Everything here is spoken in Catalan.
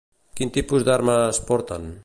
Quin tipus d'armes porten?